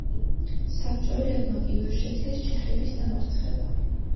საბჭოელებმა კი ვერ შეძლეს ჩეხების დამარცხება.